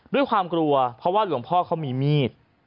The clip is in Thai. ด้วยความกลัวเพราะว่าหลวงพ่อเขามีมีด